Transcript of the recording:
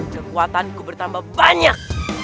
kekuatanku bertambah banyak